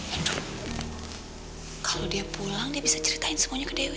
aduh kalau dia pulang dia bisa ceritain semuanya ke dewi